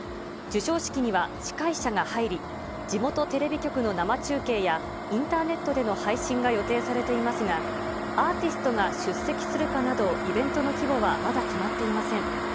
授賞式には司会者が入り、地元テレビ局の生中継やインターネットでの配信が予定されていますが、アーティストが出席するかなど、イベントの規模はまだ決まっていません。